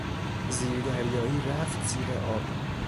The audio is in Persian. زیر دریایی رفت زیر آب.